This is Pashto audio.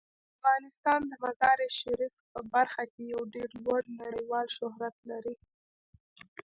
افغانستان د مزارشریف په برخه کې یو ډیر لوړ نړیوال شهرت لري.